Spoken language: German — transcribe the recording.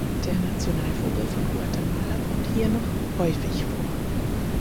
Der Nationalvogel von Guatemala kommt hier noch häufig vor.